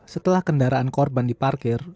setelah kendaraan korban diparangkan